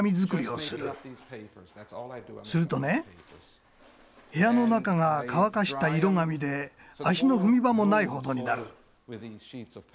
するとね部屋の中が乾かした色紙で足の踏み場もないほどになる。